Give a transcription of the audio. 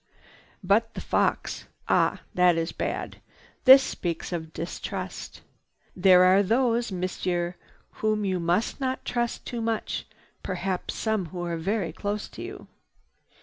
"But the fox! Ah, this is bad! This speaks of distrust. There are those, Monsieur, whom you must not trust too much—perhaps some who are very close to you."